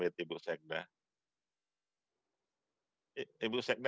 saya tidak bisa mendengar anda